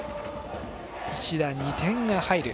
一打、２点が入る。